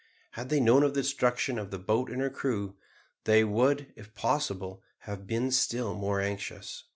Had they known of the destruction of the boat and her crew, they would, if possible, have been still more anxious.